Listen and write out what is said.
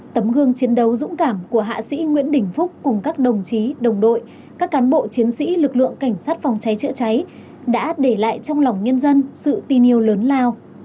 tấm gương chiến đấu dũng cảm của hạ sĩ nguyễn đình phúc cùng các đồng chí đồng đội các cán bộ chiến sĩ lực lượng cảnh sát phòng cháy chữa cháy đã để lại trong lòng nhân dân sự tin yêu lớn lao